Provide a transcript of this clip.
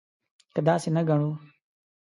که داسې نه ګڼو.